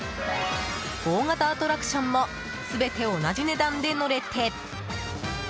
大型アトラクションも全て同じ値段で乗れて。